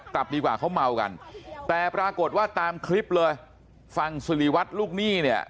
กลับดีกว่าเขาเมากันแต่ปรากฏว่าตามคลิปเลยฝั่งสิริวัตรลูกหนี้เนี่ย